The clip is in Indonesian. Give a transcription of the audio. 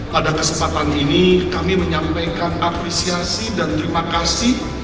pada kesempatan ini kami menyampaikan apresiasi dan terima kasih